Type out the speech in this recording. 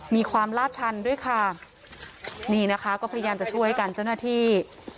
มีความลาดชันด้วยค่ะนี่นะคะก็พยายามจะช่วยกันเจ้าหน้าที่